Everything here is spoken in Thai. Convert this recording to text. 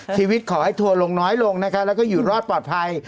ชีวิตขอให้ทัวร์ลงน้อยลงนะคะแล้วก็อยู่รอดปลอดภัย